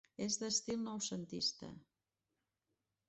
És d'estil noucentista.